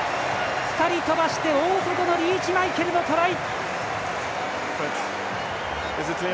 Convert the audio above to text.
２人、飛ばして大外のリーチマイケルのトライ！